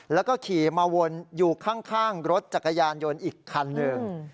แล้วก็ขี่มาวนอยู่ข้างรถจักรยานยนต์อีกคันหนึ่ง